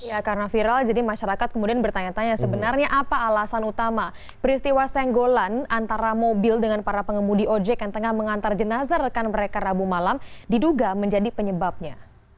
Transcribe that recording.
ya karena viral jadi masyarakat kemudian bertanya tanya sebenarnya apa alasan utama peristiwa senggolan antara mobil dengan para pengemudi ojek yang tengah mengantar jenazah rekan mereka rabu malam diduga menjadi penyebabnya